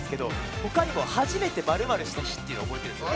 他にも初めて○○した日っていうのを覚えてるんです。